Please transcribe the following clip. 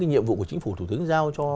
nhiệm vụ của chính phủ thủ tướng giao cho